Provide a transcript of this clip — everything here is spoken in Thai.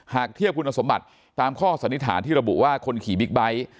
หากเทียบคุณสมบัติตามข้อสันนิษฐานที่ระบุว่าคนขี่บิ๊กไบท์